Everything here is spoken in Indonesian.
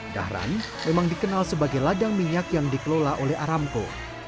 dahran memang dikenal sebagai ladang minyak yang dikelola oleh aramco